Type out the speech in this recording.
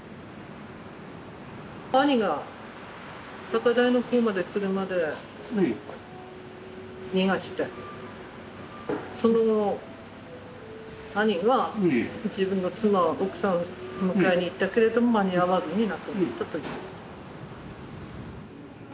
兄が高台の方まで車で逃がしてその後兄は自分の妻奥さん迎えに行ったけれども間に合わずに亡くなったという。